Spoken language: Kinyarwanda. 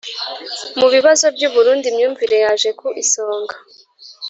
mu bibazo by u Burundi Imyumvire yaje ku isonga